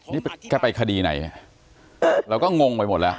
นี่แกไปคดีไหนเราก็งงไปหมดแล้ว